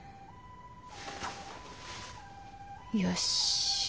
よし！